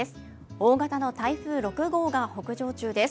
大型の台風６号が北上中です。